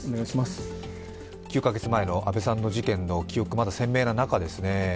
９か月前の安倍さんの事件の記憶がまだ鮮明な中ですね。